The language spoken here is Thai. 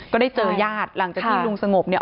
ก็ได้เจอญาติหลังจากที่ลุงสงบเนี่ย